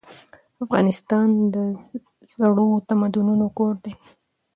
افغانستان د زړو تمدنونو کور دی.